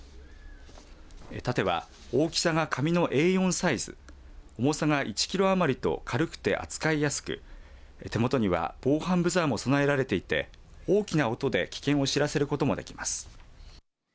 盾は大きさが紙のＡ４サイズ重さが１キロ余りと軽くて扱いやすく手元には防犯ブザーも備えられていて大きな音で危険を知らせることもできます。